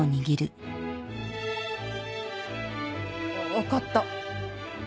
分かった。